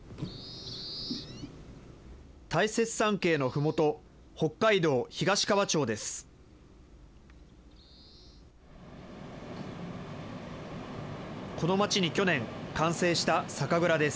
大雪山系のふもと、北海道東川町です。